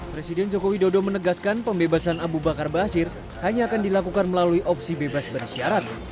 presiden joko widodo menegaskan pembebasan abu bakar basir hanya akan dilakukan melalui opsi bebas berisyarat